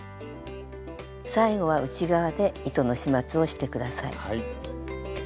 最後は内側で糸の始末をして下さい。